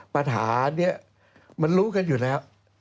ปัญหานี้มันรู้กันอยู่แล้ว